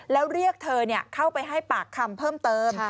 แล้วเรียกเธอเข้าไปให้ปากคำเพิ่มเติม